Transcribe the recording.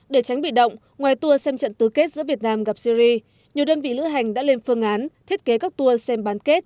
để tránh bị động ngoài tour xem trận tứ kết giữa việt nam gặp syri nhiều đơn vị lữ hành đã lên phương án thiết kế các tour xem bán kết